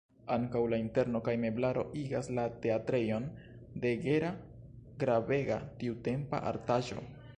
Ankaŭ la interno kaj la meblaro igas la teatrejon de Gera gravega tiutempa artaĵo.